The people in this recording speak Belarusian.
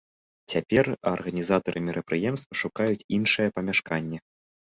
Цяпер арганізатары мерапрыемства шукаюць іншае памяшканне.